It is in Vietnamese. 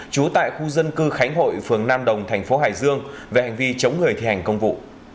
trú tại khu dân cư khánh hội phường nam đồng thành phố hải dương về hành vi chống người thi hành công vụ